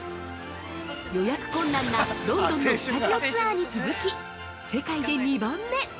予約困難なロンドンのスタジオツアーに続き世界で２番目！